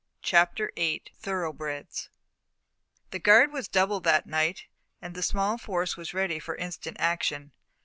CHAPTER VIII THOROUGHBREDS The guard was doubled that night and the small force was ready for instant action.